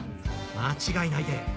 間違いないで。